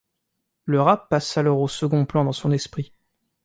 Le rap passe alors au second plan dans son esprit.